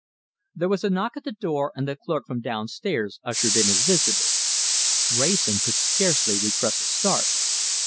There was a knock at the door, and the clerk from downstairs ushered in his visitor. Wrayson could scarcely repress a start.